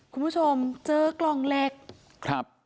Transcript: คุณผู้ชมเจอกล่องเหล็กครับ